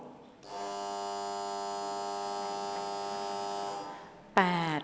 หมายเลข๕๖